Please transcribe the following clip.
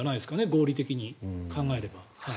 合理的に考えれば。